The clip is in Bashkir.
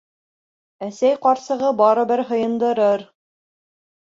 Әсәй ҡарсығы барыбер һыйындырыр...